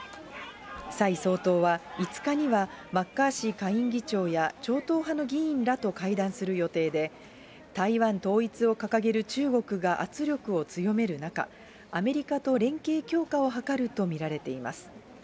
蔡総統は、５日にはマッカーシー下院議長や、超党派の議員らと会談する予定で、台湾統一を掲げる中国が圧力を強める中、アメリカと連携強化を図ると見られています。